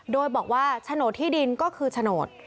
โดยบอกว่าโฉนดที่ดินก็คือโฉนด